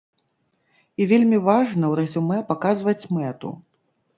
І вельмі важна ў рэзюмэ паказваць мэту.